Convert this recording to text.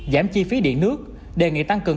giảm chi phí điện nước đề nghị tăng cường